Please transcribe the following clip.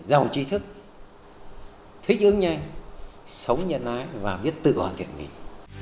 giàu trí thức thích ứng nhanh sống nhân ái và biết tự hoàn thiện mình